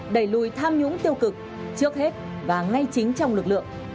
đẩy lùi tham nhũng tiêu cực trước hết và ngay chính trong lực lượng